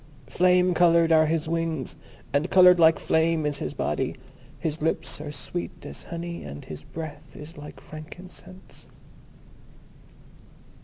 Flame coloured are his wings, and coloured like flame is his body. His lips are sweet as honey, and his breath is like frankincense."